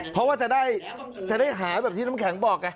เพราะว่าจะได้หาแบบที่น้ำแข็งบอกไง